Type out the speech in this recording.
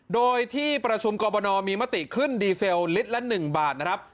โดยที่ประชุมกรบนมีมติขึ้นดีเซลลิตรละ๑บาทนะครับ